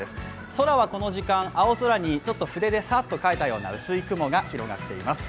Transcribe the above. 空はこの時間、青空に筆でさっと描いたような雲が広がっています。